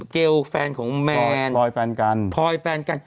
เกลแฟนของแมนพรอยแฟนกัน